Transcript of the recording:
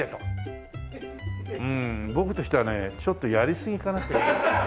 うーん僕としてはねちょっとやりすぎかなって。